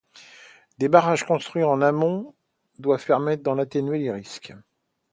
Des barrages construits en amont doivent permettre d'en atténuer les risques.